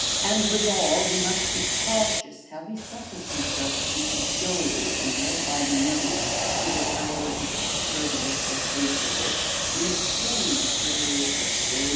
And withal, he must be cautious how he suffers himself to be cajoled and led by the nose with the titles of courteous or sociable, in exchange for those of grave, • II.